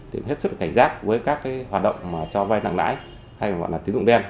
thì hết sức cảnh giác với các hoạt động cho vay lãng lãi hay gọi là tín dụng đen